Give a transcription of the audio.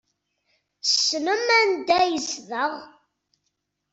Tessnem anda ay yezdeɣ?